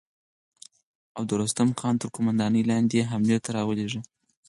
او د رستم خان تر قوماندې لاندې يې حملې ته را ولېږه.